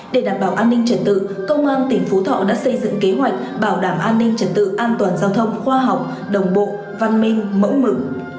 để đảm bảo an ninh trật tự công an tỉnh phú thọ đã xây dựng kế hoạch bảo đảm an ninh trật tự an toàn giao thông khoa học đồng bộ văn minh mẫu mực